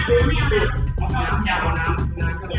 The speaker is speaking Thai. สวัสดีครับวันนี้เราจะกลับมาเมื่อไหร่